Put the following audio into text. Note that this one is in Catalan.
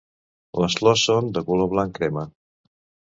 Les flors són de color blanc crema.